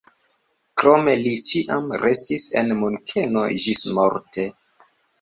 Krome li ĉiam restis en Munkeno ĝismorte.